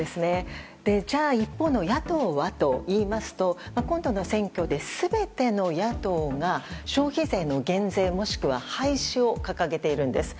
一方の野党はといいますと今度の選挙で全ての野党が消費税の減税もしくは廃止を掲げているんです。